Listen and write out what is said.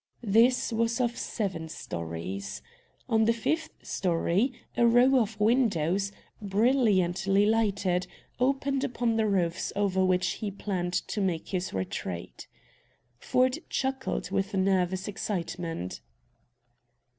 This was of seven stories. On the fifth story a row of windows, brilliantly lighted, opened upon the roofs over which he planned to make his retreat. Ford chuckled with nervous excitement.